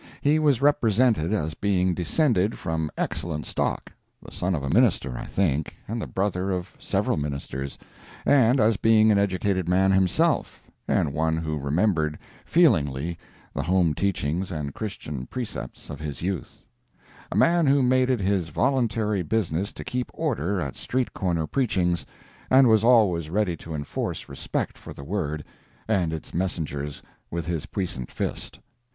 He was represented as being descended from excellent stock; the son of a minister, I think, and the brother of several ministers, and as being an educated man himself, and one who remembered feelingly the home teachings and Christian precepts of his youth; a man who made it his voluntary business to keep order at street corner preachings, and was always ready to enforce respect for the Word and its messengers with his puissant fist.